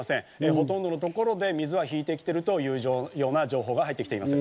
ほとんどの所で水は引いて来ているというような情報が入ってきています。